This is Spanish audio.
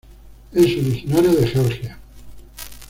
Es originaria de Georgia.